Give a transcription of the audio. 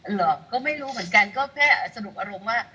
เหรอก็ไม่รู้เหมือนกันก็แค่สรุปอารมณ์ว่า